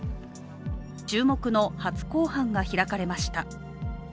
注目の初公判が開かれました。